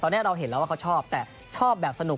ตอนนี้เราเห็นแล้วว่าเขาชอบแต่ชอบแบบสนุก